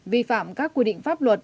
vi phạm các quy định pháp luật